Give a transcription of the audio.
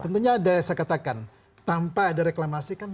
sebenarnya ada saya katakan tanpa ada reklamasi kan